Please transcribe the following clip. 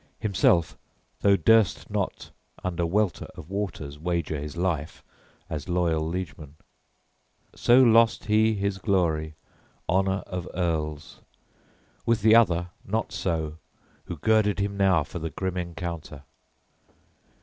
Himself, though, durst not under welter of waters wager his life as loyal liegeman. So lost he his glory, honor of earls. With the other not so, who girded him now for the grim encounter.